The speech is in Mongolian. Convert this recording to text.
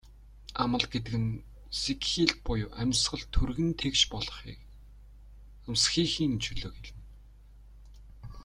Амал гэдэг нь сэгхийлт буюу амьсгал түргэн тэгш болохыг, амсхийхийн чөлөөг хэлнэ.